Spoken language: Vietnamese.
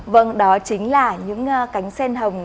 vâng đó chính là những cánh sen hồng